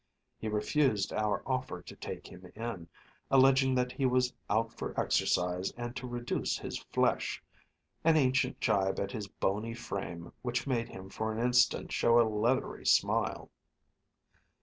He refused our offer to take him in, alleging that he was out for exercise and to reduce his flesh an ancient jibe at his bony frame which made him for an instant show a leathery smile.